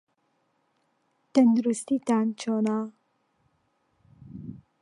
تەندروستیتان چۆنە؟